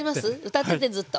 歌っててずっと。